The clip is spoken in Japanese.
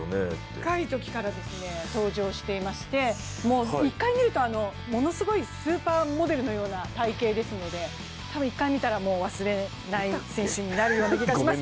若いときから登場しまして、１回見るとものすごいスーパーモデルのような体型ですのでたぶん一回見たら忘れない選手になるような気がします。